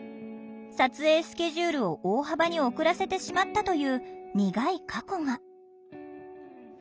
撮影スケジュールを大幅に遅らせてしまったという苦い過去が。